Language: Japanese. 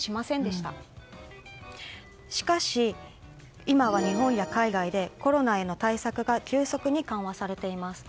しかし、今は日本や海外でコロナへの対策が急速に緩和されています。